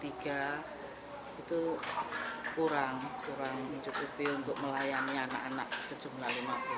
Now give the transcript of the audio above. itu kurang mencukupi untuk melayani anak anak sejumlah lima puluh